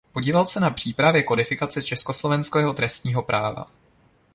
Podílel se na přípravě kodifikace československého trestního práva.